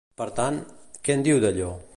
Per tant, què en diu d'allò?